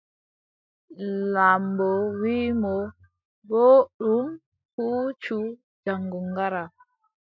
Laamɓo wii mo: booɗɗum huucu jaŋgo ngara.